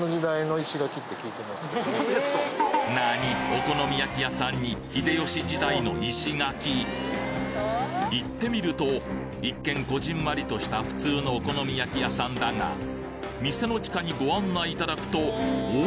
お好み焼き屋さんに行ってみると一見こぢんまりとした普通のお好み焼き屋さんだが店の地下にご案内いただくとお！